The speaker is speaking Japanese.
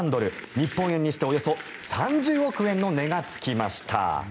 日本円にしておよそ３０億円の値がつきました。